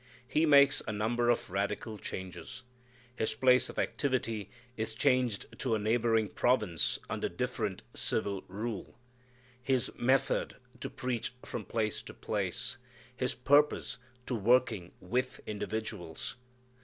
He makes a number of radical changes. His place of activity is changed to a neighboring province under different civil rule; His method, to preaching from place to place; His purpose, to working with individuals.